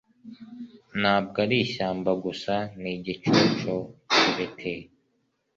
ntabwo ari ishyamba gusa nigicucu cyibiti